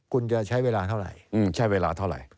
คุณจะใช้เวลาเท่าไหร่